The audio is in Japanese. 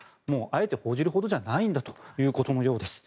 あえて報じるほどじゃないんだということのようです。